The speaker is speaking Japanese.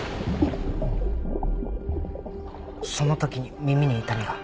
そのときに耳に痛みが。